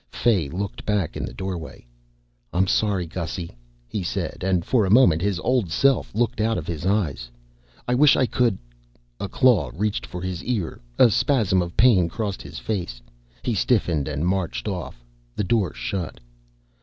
Fay looked back in the doorway. "I'm sorry, Gussy," he said and for a moment his old self looked out of his eyes. "I wish I could " A claw reached for his ear, a spasm of pain crossed his face, he stiffened and marched off. The door shut.